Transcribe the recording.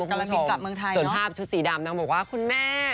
กำลังคิดกลับเมืองไทยส่วนภาพชุดสีดำนางบอกว่าคุณแม่